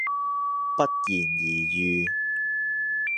不言而喻